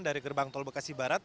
dari gerbang tol bekasi barat